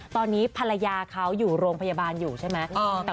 ตอนนี้ภรรยาเขาอยู่โรงพยาบาลอยู่ใช่ไหม